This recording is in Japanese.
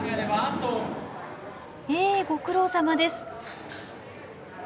へえご苦労さまです。